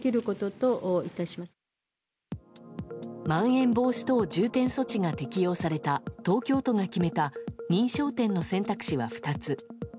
まん延防止等重点措置が適用された東京都が決めた認証店の選択肢は２つ。